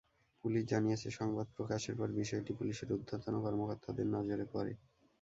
Police জানিয়েছে, সংবাদ প্রকাশের পর বিষয়টি পুলিশের ঊর্ধ্বতন কর্মকর্তাদের নজরে পড়ে।